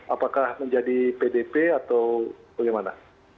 apakah menjadi pdp atau bagaimana